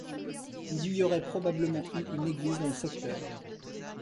Il y aurait probablement eu une église dans le secteur.